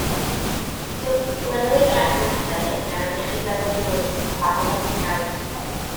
Dilynwyd yr erthyliadau hyn gan afiechyd meddwl dwys a barodd am ddegawd.